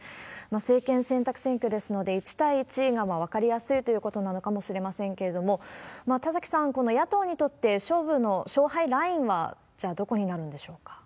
政権選択選挙ですので、１対１が分かりやすいということなのかもしれませんけれども、田崎さん、この野党にとって勝負の勝敗ラインは、じゃあ、どこになるんでしょうか？